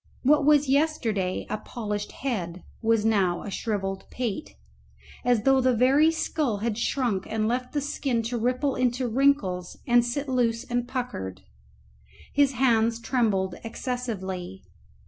What was yesterday a polished head was now a shrivelled pate, as though the very skull had shrunk and left the skin to ripple into wrinkles and sit loose and puckered. His hands trembled excessively.